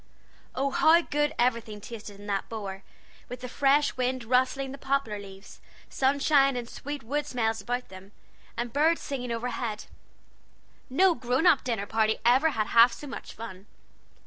Oh, how good everything tasted in that bower, with the fresh wind rustling the poplar leaves, sunshine and sweet wood smells about them, and birds singing overhead! No grown up dinner party ever had half so much fun.